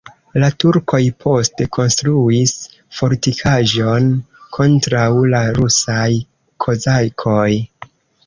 La turkoj poste konstruis fortikaĵon kontraŭ la rusaj kozakoj.